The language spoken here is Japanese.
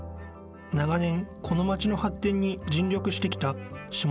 ［長年この町の発展に尽力してきた下